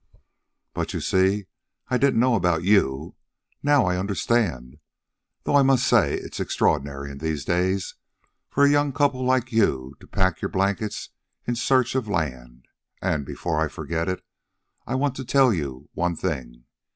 "But you see, I didn't know about YOU. Now I understand. Though I must say it's extraordinary in these days for a young couple like you to pack your blankets in search of land. And, before I forget it, I want to tell you one thing."